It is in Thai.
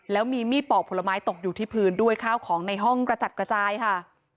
แล้วมีมีดปอกผลไม้ตกอยู่ที่พื้นด้วยข้าวของในห้องกระจัดกระจายค่ะ